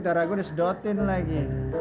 darah gue udah sedotin lagi